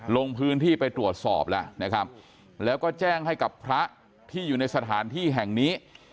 ลงพื้นที่ไปตรวจสอบแล้วนะครับแล้วก็แจ้งให้กับพระที่อยู่ในสถานที่แห่งนี้